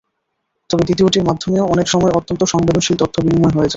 তবে দ্বিতীয়টির মাধ্যমেও অনেক সময় অত্যন্ত সংবেদনশীল তথ্য বিনিময় হয়ে যায়।